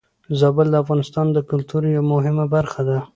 زابل د افغانستان د کلتور يوه مهمه برخه ده.